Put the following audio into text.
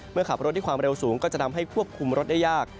ขับรถด้วยความเร็วสูงก็จะทำให้ควบคุมรถได้ยาก